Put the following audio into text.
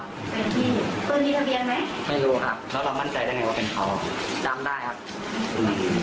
ไม่รู้ครับแล้วเรามั่นใจได้ไงว่าเป็นเขาจำได้ครับอืม